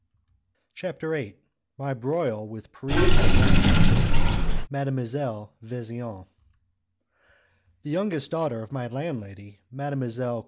CHAPTER VIII My Broil With Parisian Justice Mdlle. Vesian The youngest daughter of my landlady, Mdlle.